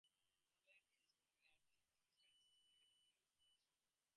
Curland is home of a thriving equestrian centre.